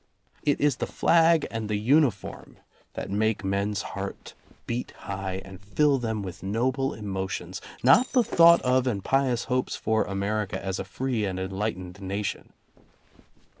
It is the flag and the uniform that make men's heart beat high and fill them with noble emotions, not the thought of and pious hopes for America as a free and enlightened nation.